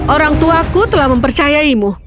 orang tuaku telah mempercayaimu